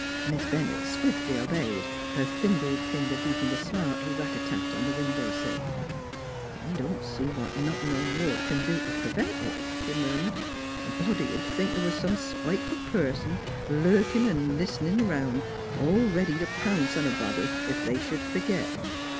Miss Bennett swiftly obeyed, her thimbled finger beating a smart rat tat on the window sill. " I don't see what knockin' on wood c'n do t' pr'vent it," she murmured. " A body'd think th' was some spiteful person lurkin' an' list'nin' round, 'n' all ready t' pounce on a body ef they sh'd fergit.